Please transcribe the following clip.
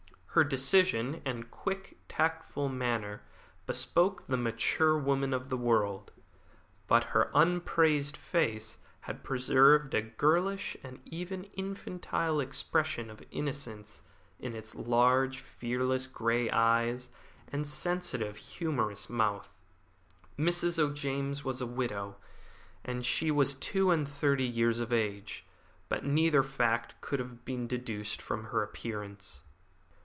Her decision and quick, tactful manner bespoke the mature woman of the world; but her upraised face had preserved a girlish and even infantile expression of innocence in its large, fearless, grey eyes, and sensitive, humorous mouth. Mrs. O'James was a widow, and she was two and thirty years of age; but neither fact could have been deduced from her appearance.